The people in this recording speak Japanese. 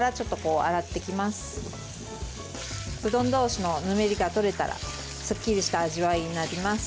うどん同士のぬめりがとれたらすっきりした味わいになります。